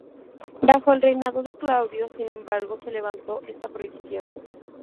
Bajo el reinado de Claudio, sin embargo, se levantó esta prohibición.